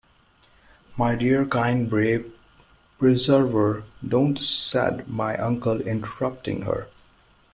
“My dear, kind, brave preserver!” “Don’t,” said my uncle, interrupting her.